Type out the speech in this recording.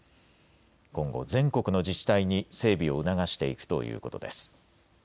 今後、全国の自治体に整備を促していくということです。